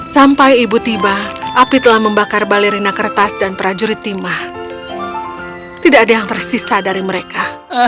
sampai ibu tiba api telah membakar balerina kertas dan prajurit timah tidak ada yang tersisa dari mereka